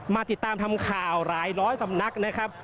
มาติดตามทำข่าวหลายร้อยสำนักนะครับ